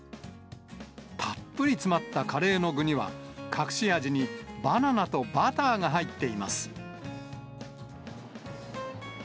たっぷり詰まったカレーの具には、隠し味にバナナとバターが入っています。